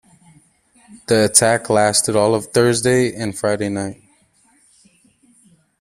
The attack lasted all of Thursday and Friday night.